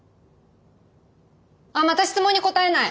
あっまた質問に答えない！